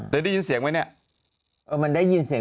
ได้ได้ยินเสียงไหมเนี่ย